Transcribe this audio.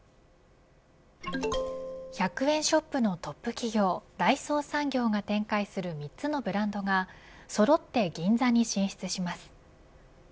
１００円ショップのトップ企業大創産業が展開する３つのブランドがそろって銀座に進出します。